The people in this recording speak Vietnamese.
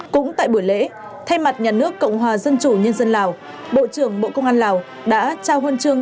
cũng tại buổi lễ thay mặt nhà nước cộng hòa dân chủ nhân dân lào bộ trưởng bộ công an lào đã trao huân trường